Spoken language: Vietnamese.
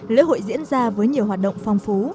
lễ hội diễn ra với nhiều hoạt động phong phú